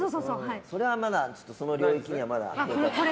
それはまだ、その領域には。